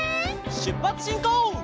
しゅっぱつしんこう！